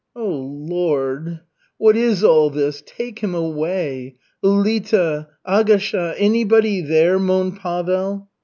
"Oh, Lord! What is all this? Take him away! Ulita, Agasha! Anybody here?" moaned Pavel.